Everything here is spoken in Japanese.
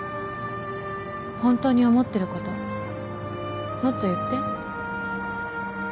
本当に思ってることもっと言って。